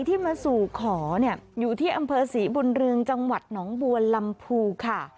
ที่มาสู่ขอเนี่ยอยู่ที่อำเภอศรีบุญเรืองจังหวัดหนองบัวลำพูค่ะ